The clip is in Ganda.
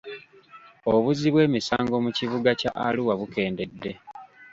Obuzzi bw'emisango mu kibuga kya Arua bukendedde.